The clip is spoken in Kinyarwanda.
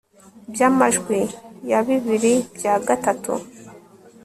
bw amajwi ya bibiri bya gatatu